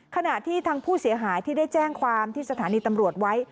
ขณะที่ทางผู้เสียหายที่ได้แจ้งความที่สถานีตำรวจไว้